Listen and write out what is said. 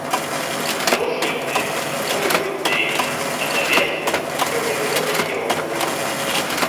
Дождж ідзе каторы ўжо дзень, а наверсе ўсё гэтых аваднёў гул.